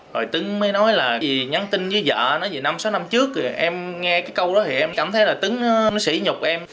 rồi tuấn mới nói là nhắn tin với vợ nói gì năm sáu năm trước em nghe cái câu đó thì em cảm thấy là tuấn nó xỉ nhục em